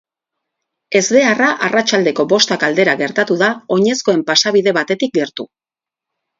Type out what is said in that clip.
Ezbeharra arratsaldeko bostak aldera gertatu da oinezkoen pasabide batetik gertu.